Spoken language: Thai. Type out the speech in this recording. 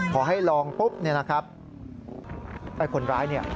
ขอให้ลองปุ๊บไปคนร้ายเนี่ย